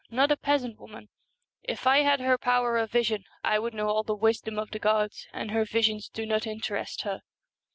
not a peasant woman, * If I had her power of vision I would know all the wisdom of the gods, and her visions do not interest her.'